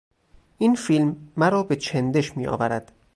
این فیلم مرا به چندش میآورد.